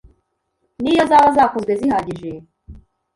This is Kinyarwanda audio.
niyo zaba zakozwe zihagije